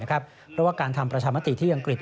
เพราะว่าการทำประชามติที่อังกฤษ